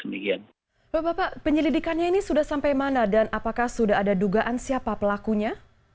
bapak bapak penyelidikannya ini sudah sampai mana dan apakah sudah ada dugaan siapa pelakunya